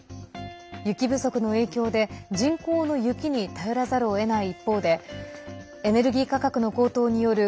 雪不足の影響で人工の雪に頼らざるをえない一方でエネルギー価格の高騰による